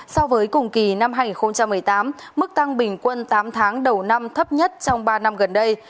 so với cùng kỳ năm hai nghìn một mươi tám mức tăng bình quân tám tháng đầu năm thấp nhất trong ba năm gần đây